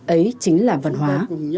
ấy chính là văn hóa